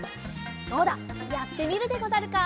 どうだやってみるでござるか？